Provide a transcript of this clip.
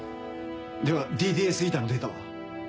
ではＤＤＳηのデータは？